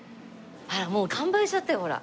あらもう完売しちゃったよほら。